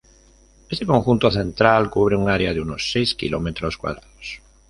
Este conjunto central, cubre un área de unos seis kilómetros cuadrados.